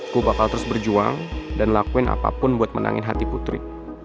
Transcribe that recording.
ku bakal terus berjuang dan lakuin apapun buat menangin hati putri